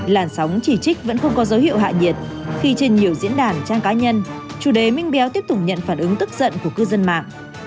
làn sóng chỉ trích vẫn không có dấu hiệu hạ nhiệt khi trên nhiều diễn đàn trang cá nhân chủ đề minh béo tiếp tục nhận phản ứng tức giận của cư dân mạng